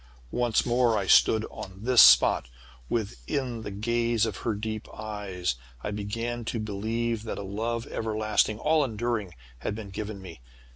Once more I stood on this spot, within the gaze of her deep eyes. I began to believe that a love everlasting, all enduring, had been given me!